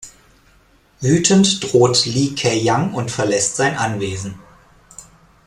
Wütend droht Lee Kei Yang und verlässt sein Anwesen.